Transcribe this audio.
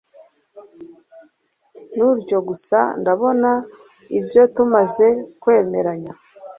guntyo gusa ndakora ibyo tumaze kwemeranya